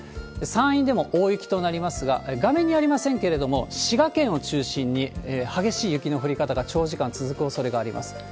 山陰でも大雪となりますが、画面にありませんけれども、滋賀県を中心に激しい雪の降り方が長時間続くおそれがあります。